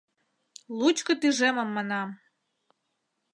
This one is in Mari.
— Лучко тӱжемым манам!